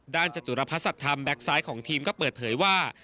ด้านจตุรพสัตว์ธรรมแบ็คซ้ายของทีมก็เปิดเผยว่า